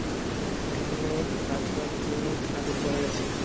এখনি আসবেন, তিনি ঠাকুরঘরে গেছেন।